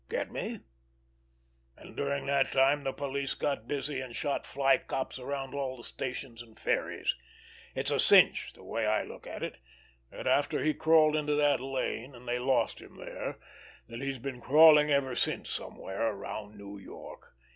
Get me? And during that time the police got busy and shot flycops around all the stations and ferries. It's a cinch, the way I look at it, that after he crawled into that lane and they lost him there, that he's been crawling ever since somewhere around New York.